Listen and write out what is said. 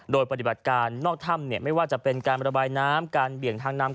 โดยปฏิบัติการนอกถ้ำไม่ว่าจะเป็นการระบายน้ำการเบี่ยงทางน้ำ